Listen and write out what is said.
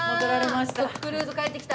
徳クルーズ帰ってきた。